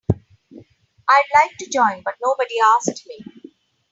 I'd like to join but nobody asked me.